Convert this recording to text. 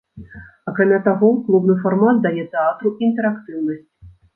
Акрамя таго, клубны фармат дае тэатру інтэрактыўнасць.